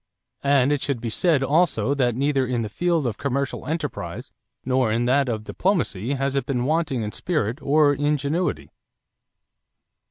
And it should be said also that neither in the field of commercial enterprise nor in that of diplomacy has it been wanting in spirit or ingenuity.